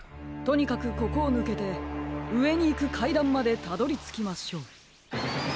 とにかくここをぬけてうえにいくかいだんまでたどりつきましょう。